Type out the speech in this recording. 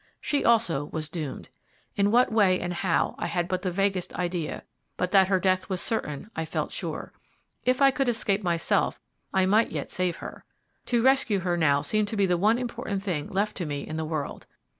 She also was doomed. In what way and how, I had but the vaguest idea; but that her death was certain, I felt sure. If I could escape myself I might yet save her. To rescue her now seemed to be the one important thing left to me in the world.